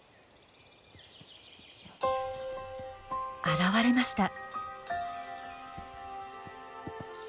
現れました。